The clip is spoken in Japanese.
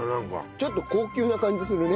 ちょっと高級な感じするね。